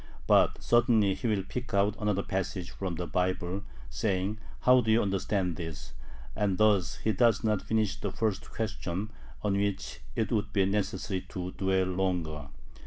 But suddenly he will pick out another passage [from the Bible], saying: "How do you understand this?" and thus he does not finish the first question, on which it would be necessary to dwell longer.